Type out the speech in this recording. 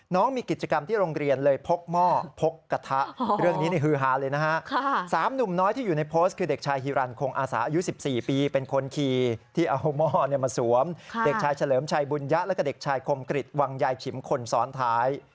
น้องมีกิจกรรมที่โรงเรียนเลยพกหม้อพกกระทะ